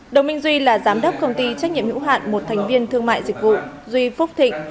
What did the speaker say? đồng minh duy là giám đốc công ty trách nhiệm hữu hạn một thành viên thương mại dịch vụ duy phúc thịnh